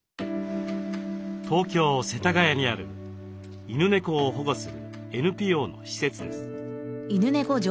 東京・世田谷にある犬猫を保護するＮＰＯの施設です。